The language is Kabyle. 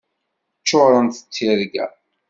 Ččurent d tirga.